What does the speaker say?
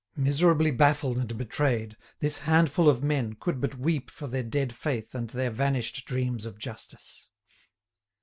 Miserably baffled and betrayed, this handful of men could but weep for their dead faith and their vanished dreams of justice.